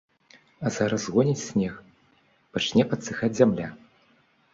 А зараз згоніць снег, пачне падсыхаць зямля.